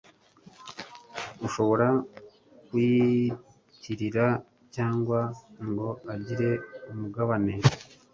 ushobora kuwiyitirira cyangwa ngo agire umugabane